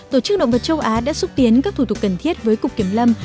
tổng vật châu á đã xúc tiến các thủ tục cần thiết với cục kiếm lâm